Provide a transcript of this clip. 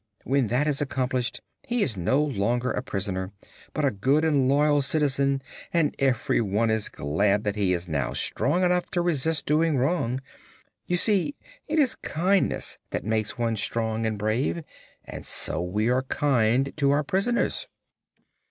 When that is accomplished he is no longer a prisoner, but a good and loyal citizen and everyone is glad that he is now strong enough to resist doing wrong. You see, it is kindness that makes one strong and brave; and so we are kind to our prisoners."